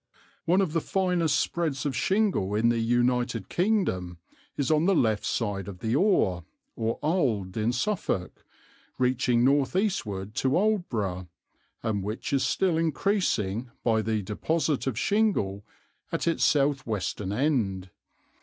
"One of the finest spreads of shingle in the United Kingdom is on the left side of the Ore or Alde in Suffolk, reaching north eastward to Aldeburgh, and which is still increasing by the deposit of shingle at its south western end.